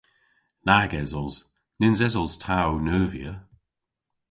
Nag esos. Nyns esos ta ow neuvya.